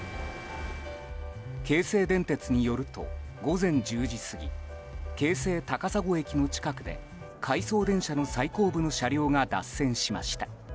京成電鉄によると午前１０時過ぎ京成高砂駅の近くで回送電車の最後部の車両が脱線しました。